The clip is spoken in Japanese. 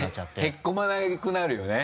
へっこまなくなるよね。